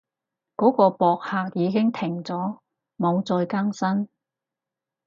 嗰個博客已經停咗，冇再更新